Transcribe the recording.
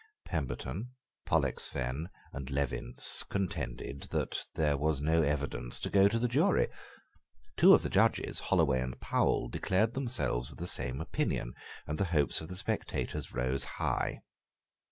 Pemberton, Pollexfen, and Levinz contended that there was no evidence to go to the jury. Two of the judges, Holloway and Powell, declared themselves of the same opinion; and the hopes of the spectators rose high.